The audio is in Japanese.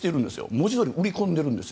文字どおり売り込んでるんです。